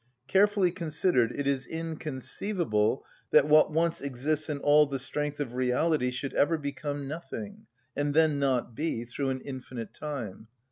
Carefully considered, it is inconceivable that what once exists in all the strength of reality should ever become nothing, and then not be, through an infinite time.